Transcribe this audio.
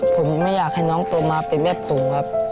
ผมไม่อยากให้น้องโตมาเป็นแม่ปู่ครับ